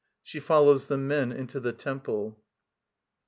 [she follows the men into the temple.